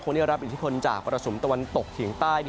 ได้รับอิทธิพลจากมรสุมตะวันตกเฉียงใต้